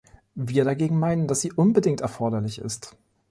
Wir dagegen meinen, dass sie unbedingt erforderlich ist.